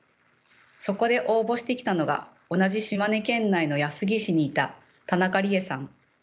そこで応募してきたのが同じ島根県内の安来市にいた田中理恵さん。